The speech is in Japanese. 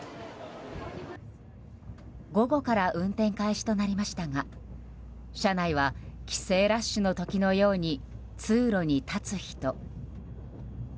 午後から運転開始となりましたが車内は帰省ラッシュの時のように通路に立つ人。